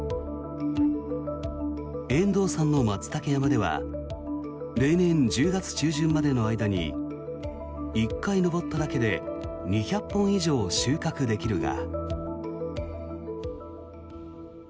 遠藤さんのマツタケ山では例年、１０月中旬までの間に１回登っただけで２００本以上収穫できるが。